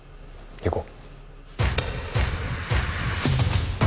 行こう！